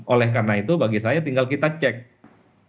oleh karena itu bagi saya kita harus memeriksa